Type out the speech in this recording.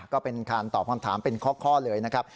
ก็เป็นการตอบคำถามเป็นข้อเลยนะครับ